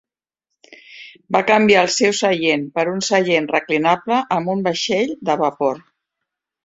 Va canviar el seu seient per un seient reclinable en un vaixell de vapor.